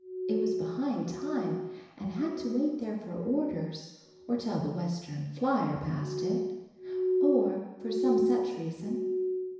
It was behind time and had to wait there for orders or till the Western Flyer passed it, or for some such reason.